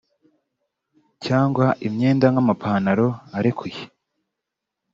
cyangwa imyenda nk’amapantalo arekuye